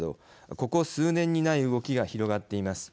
ここ数年にない動きが広がっています。